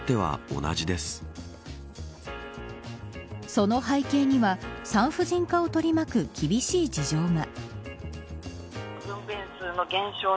その背景には産婦人科を取り巻く厳しい事情が。